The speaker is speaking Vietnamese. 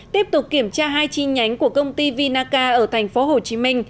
tiếp tục kiểm tra hai chi nhánh của công ty vinaca ở tp hcm